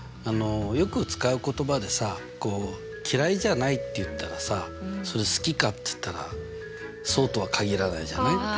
よく使う言葉でさ嫌いじゃないって言ったらさそれ好きかって言ったらそうとは限らないじゃない？